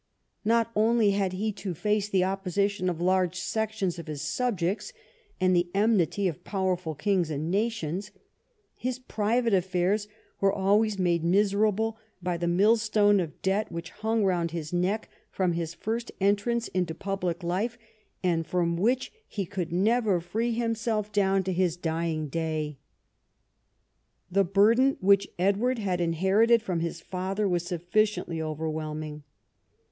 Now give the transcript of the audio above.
Not only had he to face the opposition of large sections of his sub jects, and the enmity of powerful kings and nations — his private affairs were always made miserable by the millstone of debt which hung round his neck from his first entrance into public life, and from which he could never free himself down to his dying day. The burden which Edward had inherited from his father was sufficiently overwhelming.